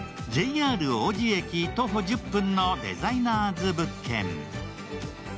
ＩＲ王子駅徒歩１０分のデザイナーズ物件。